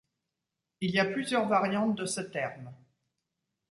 Il y a plusieurs variantes de ce terme.